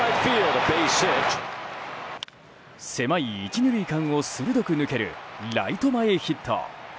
狭い１、２塁間を鋭く抜けるライト前ヒット。